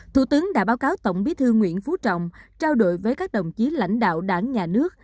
thủ tướng đã báo cáo tổng bí thư nguyễn phú trọng trao đổi với các đồng chí lãnh đạo đảng nhà nước